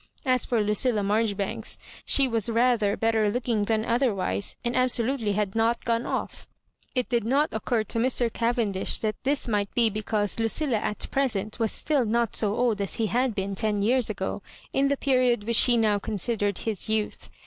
As for Lucilla Maijoribanks, she was rather better looking than otherwise, and absolutely had not gone off. It did not occur t\^ Mr. Cavendish that this might be because Lucilla Digitized by VjOOQIC MISS MABJOBIBANKS. 143 at present was not still so old as he had been ten years ago, in the period which he now considered his youth.